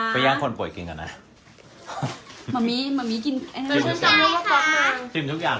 คุณชายค่ะคุณกินทุกอย่างไม่ให้คนป่วยกินเลยเหรอครับ